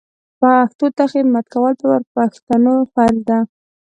پښتو ته خدمت کول پر پښتنو فرض ده